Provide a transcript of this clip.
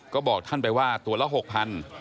ก็บอกท่านไปว่าตัวละ๖๐๐บาท